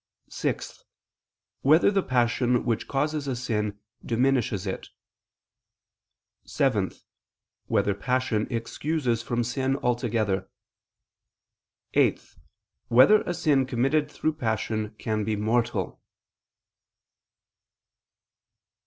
(6) Whether the passion which causes a sin diminishes it? (7) Whether passion excuses from sin altogether? (8) Whether a sin committed through passion can be mortal?